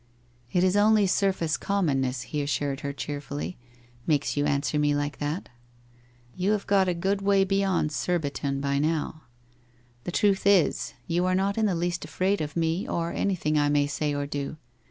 'It is only surface commonness,' he assured her cheer fully, ' makes you answer me like that. You have got a good way beyond Kurbifon by now. ... The truth is, you arc not in the least afraid of me, or anything I may ay or do.